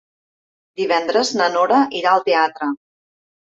Divendres na Nora irà al teatre.